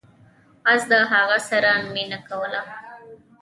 اس د هغه سره مینه کوله.